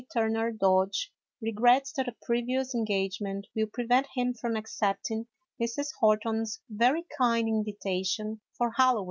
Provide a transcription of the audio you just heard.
Turner Dodge regrets that a previous engagement will prevent him from accepting Mrs. Horton's very kind invitation for Hallowe'en."